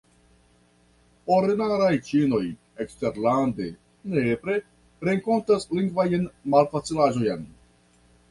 Ordinaraj ĉinoj eksterlande nepre renkontas lingvajn malfacilaĵojn.